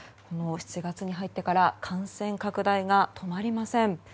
７月に入ってから感染拡大が止まりません。